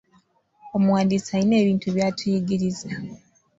Omuwandiisi alina ebintu by'atuyigiriza.